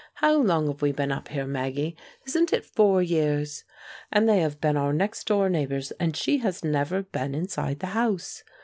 How long have we been up here, Maggie? Isn't it four years? And they have been our next door neighbors, and she has never been inside the house.